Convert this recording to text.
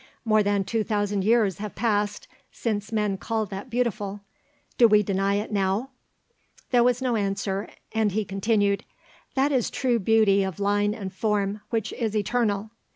"More than two thousand years have passed since men called that beautiful. Do we deny it now?" There was no answer and he continued: "That is true beauty of line and form, which is eternal.